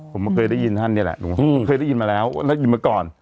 ผมก็เคยได้ยินท่านเนี่ยแหละผมเคยได้ยินมาแล้วได้ยินมาก่อน